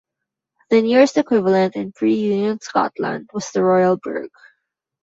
The nearest equivalent in pre-Union Scotland was the royal burgh.